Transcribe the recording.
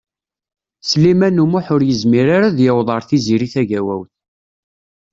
Sliman U Muḥ ur yezmir ara ad yaweḍ ar Tiziri Tagawawt.